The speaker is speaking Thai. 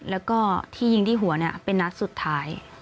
แล้วก็ที่ยิงที่หัวเป็นนัดสุดท้าย